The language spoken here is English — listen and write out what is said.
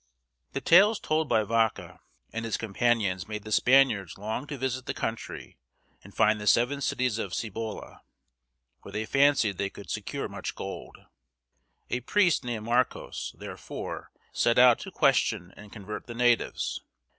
The tales told by Vaca and his companions made the Spaniards long to visit the country and find the Seven Cities of Cibola (see´bo lah), where they fancied they could secure much gold. A priest named Mar´cōs therefore set out to question and convert the natives.